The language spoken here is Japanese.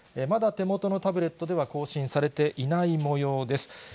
まだ手元のタブレットでは更新されていないもようです。